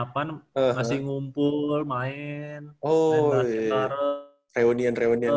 reunion reunion gitu lah ya